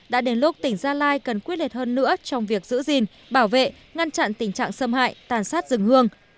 đã đến lúc tỉnh gia lai cần quyết liệt hơn nữa trong việc giữ gìn bảo vệ ngăn chặn tình trạng xâm hại tàn sát rừng hương